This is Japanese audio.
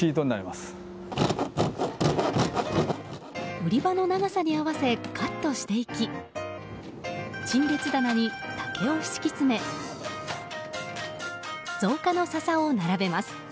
売り場の長さに合わせカットしていき陳列棚に竹を敷き詰め造花の笹を並べます。